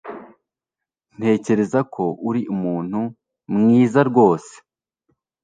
Ntekereza ko uri umuntu mwiza rwose